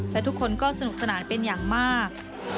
และทุกคนก็สนุกสนานเป็นอย่างมาก